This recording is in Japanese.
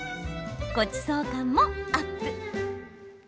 ごちそう感もアップ！